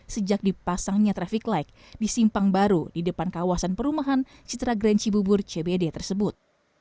sejak dipasangnya traffic light di simpang baru di depan kawasan perumahan citra grand cibubur cbd tersebut